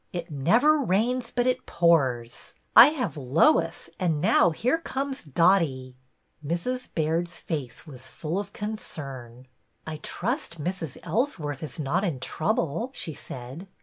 '' It never rains but it pours. I have Lois and now here comes Dotty." Mrs. Baird's face was full of concern. I trust Mrs. Ellsworth is not in trouble," she said.